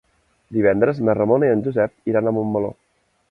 Divendres na Ramona i en Josep iran a Montmeló.